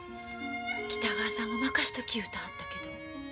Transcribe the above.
北川さんが任しとき言うてはったけど。